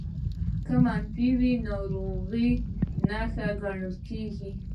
که منفي وي ناروغۍ نښه ګڼل کېږي